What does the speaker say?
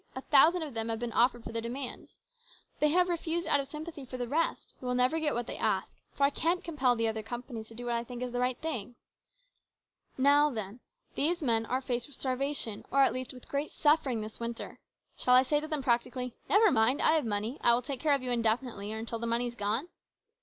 A thousand of them have been offered their demands. They have refused out of sympathy for the rest, who will never get what they ask, for I can't compel the other companies to do what I think is the right thing. Now, then, these men are faced with starva tion, or, at least, with great suffering this winter. Shall I say to them, practically, ' Never mind, I have money ; I will take care of you indefinitely, or until the money is gone